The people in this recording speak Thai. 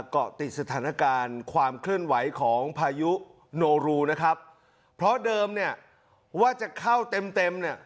เกาะติดสถานการณ์ความเคลื่อนไหวของพายุโนรูนะครับเพราะเดิมเนี่ยว่าจะเข้าเต็มเต็มเนี่ย